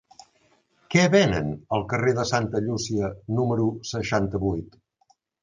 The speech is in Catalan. Què venen al carrer de Santa Llúcia número seixanta-vuit?